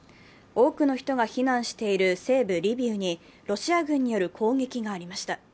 多くの人が避難している西部リビウにロシア軍による攻撃がありました。